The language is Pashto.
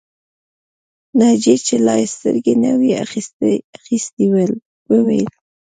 ناجيې چې لا يې سترګې نه وې اخيستې وویل